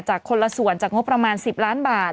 คนละส่วนจากงบประมาณ๑๐ล้านบาท